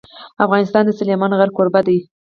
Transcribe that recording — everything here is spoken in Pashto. افغانستان د سلیمان غر کوربه دی.